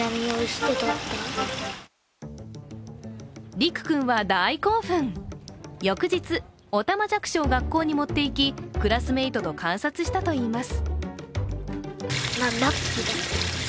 陸君は大興奮、翌日、おたまじゃくしを学校に持っていきクラスメートと観察したといいます。